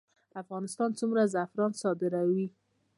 افغانستان څومره زعفران صادروي؟